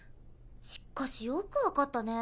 しっかしよく分かったね。